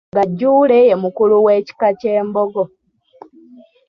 Gaajuule ye mukulu w'ekika ky'Embogo.